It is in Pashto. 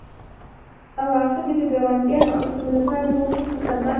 او عواقب یې د ګاونډیانو او سیمې لپاره نور هم خطرناکه کیږي